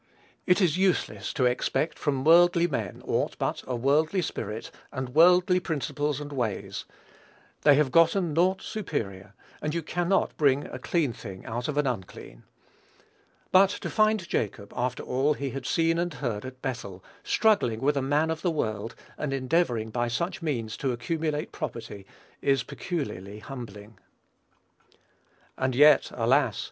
It is useless to expect from worldly men aught but a worldly spirit and worldly principles and ways; they have gotten naught superior; and you cannot bring a clean thing out of an unclean. But to find Jacob, after all he had seen and heard at Bethel, struggling with a man of the world, and endeavoring by such means to accumulate property, is peculiarly humbling. And yet, alas!